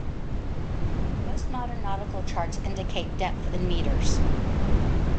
Most modern nautical charts indicate depth in metres.